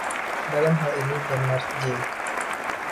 Dalam hal ini, Bernard J.